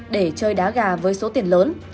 để chơi đá gà với số tiền lớn